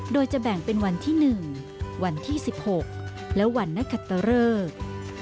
โดยจะแบ่งเป็นวันที่๑วันที่๑๖และวันนคัตตะเริก